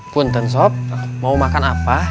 punten sop mau makan apa